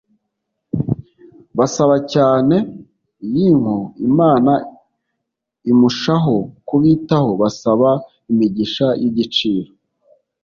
Basaba cyane ynko Imana imshaho kubitaho. Basaba imigisha y'igiciro,